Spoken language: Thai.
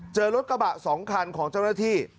เจอรถกระบะ๒คันของเจ้าหน้าที่